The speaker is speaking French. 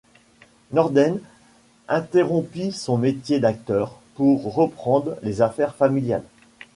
Norden interrompit son métier d'acteur pour reprendre les affaires familiales.